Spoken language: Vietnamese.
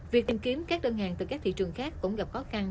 việc tìm kiếm các đơn hàng từ các thị trường khác cũng gặp khó khăn